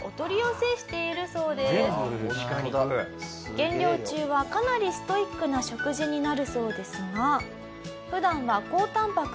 「減量中はかなりストイックな食事になるそうですが普段は高タンパク